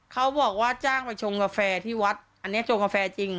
เขาบอกว่าจ้างไปชงกาแฟที่วัดอันนี้ชงกาแฟจริง